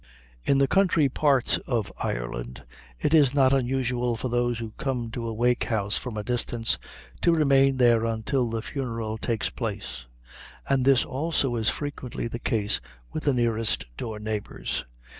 In the country parts of Ireland it is not unusual for those who come to a wake house from a distance, to remain there until the funeral takes place: and this also is frequently the case with the nearest door neighbors.